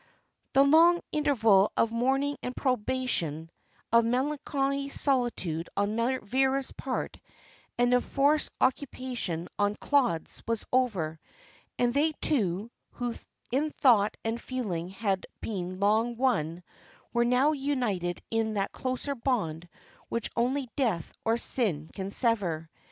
The long interval of mourning and probation, of melancholy solitude on Vera's part, and of forced occupation on Claude's, was over: and they two, who in thought and feeling had been long one, were now united in that closer bond which only death or sin can sever.